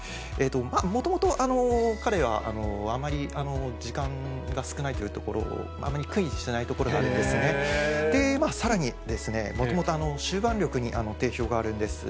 もともと彼はあまり時間が少ないというところを、あまり苦にしないところがありまして、さらにもともと、終盤力に定評があるんです。